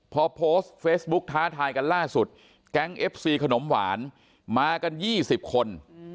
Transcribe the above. พอโพสต์เฟซบุ๊กท้าทายกันล่าสุดแก๊งเอฟซีขนมหวานมากัน๒๐คน